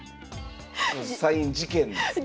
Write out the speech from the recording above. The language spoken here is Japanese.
サイン事件ですね。